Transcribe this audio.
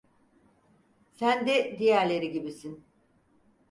Sen de diğerleri gibisin.